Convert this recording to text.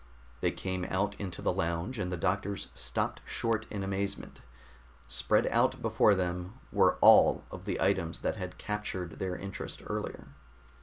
They came out into the lounge, and the doctors stopped short in amazement. Spread out before them were all of the items that had captured their interest earlier.